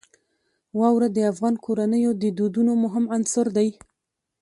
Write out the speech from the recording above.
واوره د افغان کورنیو د دودونو مهم عنصر دی.